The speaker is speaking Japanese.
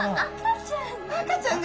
赤ちゃんだ。